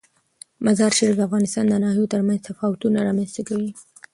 مزارشریف د افغانستان د ناحیو ترمنځ تفاوتونه رامنځ ته کوي.